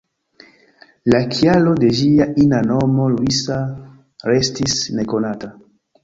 La kialo de ĝia ina nomo ""Luisa"" restis nekonata.